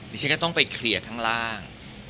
ฉันก็ต้องไปเคลียร์ข้างล่าง